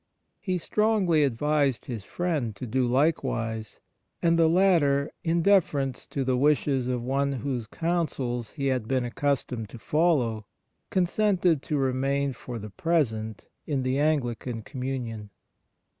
He strongly advised his friend to do likewise, and the latter, in deference to the wishes of one whose counsels he had been accus tomed to follow, consented to remain for the present in the Anglican communion.